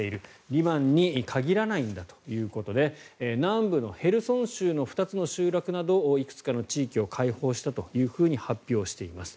リマンに限らないんだということで南部のヘルソン州の２つの集落などいくつかの地域を解放したと発表しています。